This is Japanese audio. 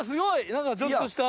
何かちょっとした。